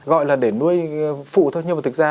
gọi là để nuôi phụ thôi nhưng mà thực ra